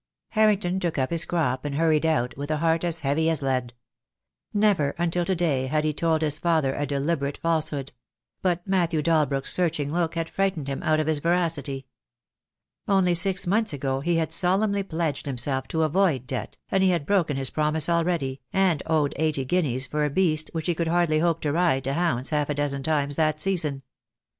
Harrington took up his crop and hurried out, with a heart as heavy as lead. Never until to day had he told his father a deliberate falsehood; but Matthew Dalbrook's searching look had frightened him out of his veracity. Only six months ago he had solemnly pledged himself to avoid debt, and he had broken his promise already, and owed eighty guineas for a beast which he could hardly hope to ride to hounds half a dozen times that season.